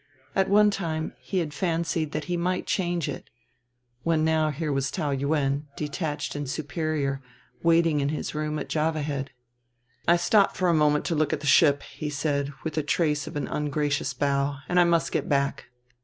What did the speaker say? At one time he had fancied that he might change it... when now here was Taou Yuen, detached and superior, waiting in his room at Java Head. "I stopped for a moment to look at the ship," he said, with the trace of an ungracious bow, "and must get back."